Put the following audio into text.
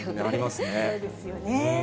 そうですよね。